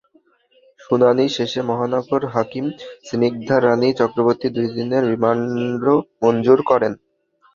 শুনানি শেষে মহানগর হাকিম স্নিগ্ধা রানী চক্রবর্তী দুই দিনের রিমান্ড মঞ্জুর করেন।